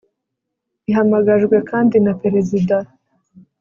ihamagajwe kandi na perezida